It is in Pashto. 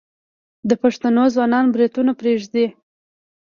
د پښتنو ځوانان بروتونه پریږدي.